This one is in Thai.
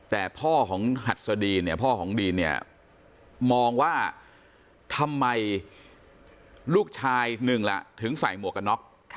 แต่พ่อของหัดสดีนเนี่ยพ่อของดีนเนี่ยมองว่าทำไมลูกชายหนึ่งล่ะถึงใส่หมวกกันน็อก